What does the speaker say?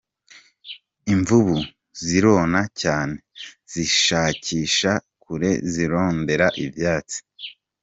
Imvubu zirayona canke zigashika kure zirondera ivyatsi.